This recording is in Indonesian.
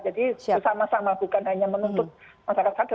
jadi bersama sama bukan hanya menuntut masyarakat sakit